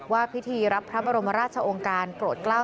ว่าพิธีรับพระบรมราชองค์การโปรดกล้า